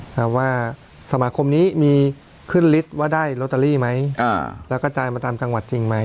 ถามว่าสมาคมนี้มีขึ้นลิตรว่าได้ลอตเตอรี่ไหมอ่าแล้วก็จ่ายมาตามจังหวัดจริงไหม